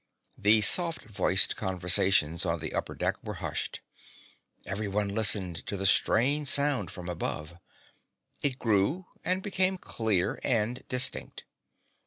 The soft voiced conversations on the upper deck were hushed. Every one listened to the strange sound from above. It grew and became clear and distinct.